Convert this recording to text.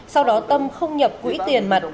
sau đó tâm không nhập quỹ tiền mặt